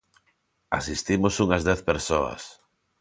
Asistimos unhas dez persoas.